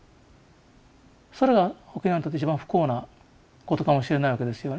それが沖縄にとって一番不幸なことかもしれないわけですよね。